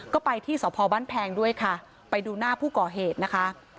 ก็ไปที่สพบ้านแพงด้วยค่ะไปดูหน้าผู้ก่อเหตุนะคะ